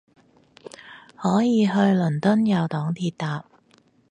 可能去倫敦有黨鐵搭